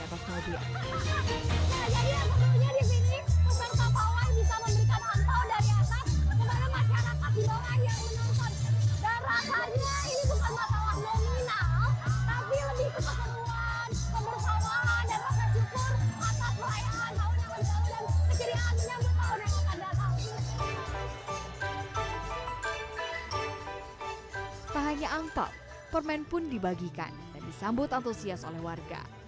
tak hanya angpau permen pun dibagikan dan disambut antusias oleh warga